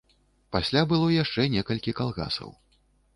Пасля было яшчэ некалькі калгасаў.